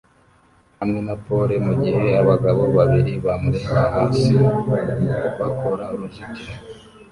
hamwe na pole mugihe abagabo babiri bamureba hasi bakora uruzitiro